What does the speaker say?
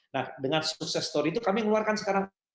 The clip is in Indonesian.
nah dengan sukses story itu kami keluarkan sekarang